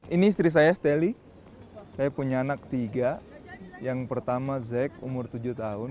ini istri saya stely saya punya anak tiga yang pertama zek umur tujuh tahun